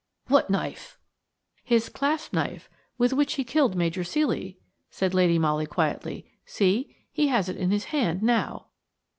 "What knife?" "His clasp knife, with which he killed Major Ceely," said Lady Molly, quietly; "see, he has it in his hand now."